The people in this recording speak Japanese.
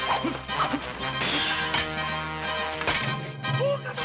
・大岡様！